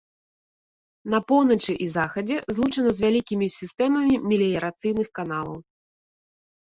На поўначы і захадзе злучана з вялікімі сістэмамі меліярацыйных каналаў.